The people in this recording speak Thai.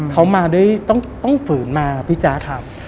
เขามาด้วยต้องฝืนมาพี่แจ๊คครับ